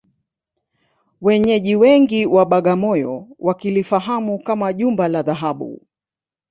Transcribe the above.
Wenyeji wengi wa Bagamoyo wakilifahamu kama Jumba la Dhahabu